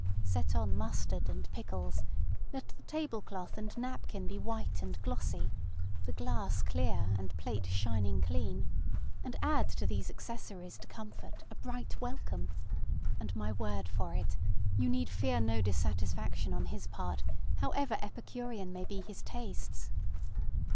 Set on mustard and pickles; let the table cloth and napkin be white and glossy; the glass clear, and plate shining clean; and add to these accessories to comfort a bright welcome, and, my word for it, you need fear no dissatisfaction on his part, however epicurean may be his tastes.